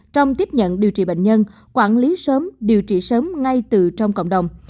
trong tiếp nhận điều trị bệnh nhân quản lý sớm điều trị sớm ngay từ trong cộng đồng